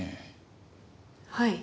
はい。